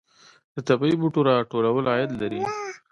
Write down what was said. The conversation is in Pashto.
د طبیعي بوټو راټولول عاید لري